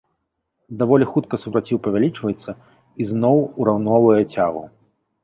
Даволі хутка супраціў павялічваецца і зноў ураўноўвае цягу.